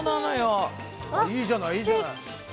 いいじゃないいいじゃない！